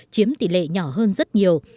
chiếm tỷ lệ nhỏ hơn rất nhiều